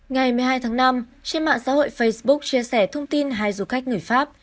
ngày một mươi hai tháng năm trên mạng xã hội facebook chia sẻ thông tin hai du khách người pháp